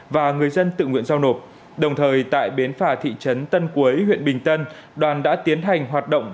và người dân tự nguyện giao nộp đồng thời tại bến phà thị trấn tân cuối huyện bình tân đoàn đã tiến hành hoạt động